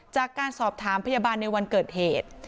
จากการสอบถามพยาบาลในวันเกิดเหตุ